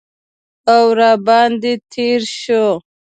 او را باندې تیر شو